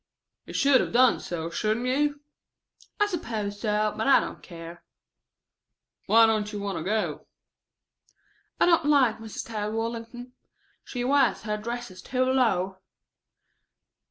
"You should have done so, shouldn't you?" "I suppose so, but I don't care." "Why don't you want to go?" "I don't like Mrs. Tad Wallington. She wears her dresses too low."